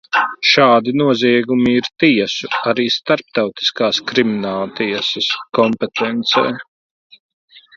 Šādi noziegumi ir tiesu, arī Starptautiskās Krimināltiesas, kompetencē.